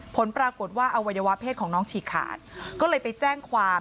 ผลปรากฏว่าอวัยวะเพศของน้องฉีกขาดก็เลยไปแจ้งความ